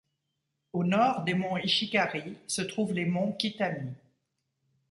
Au nord des monts Ishikari se trouvent les monts Kitami.